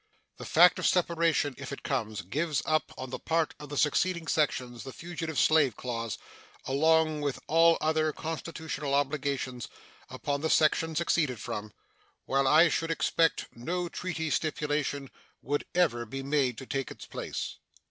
The fact of separation, if it comes, gives up on the part of the seceding section the fugitive slave clause, along with all other constitutional obligations upon the section seceded from, while I should expect no treaty stipulation would ever be made to take its place.